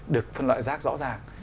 được phân loại rác rõ ràng